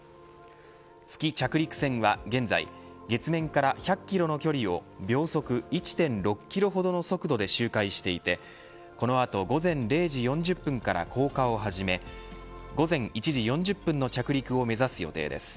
月着陸船は現在月面から１００キロの距離を秒速１．６キロほどの速度で周回していてこの後午前０時４０分から降下を始め午前１時４０分の着陸を目指す予定です。